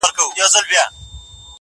بیا یې نوی سپین کفن ورڅخه وړی٫